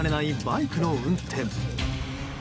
バイクの運転。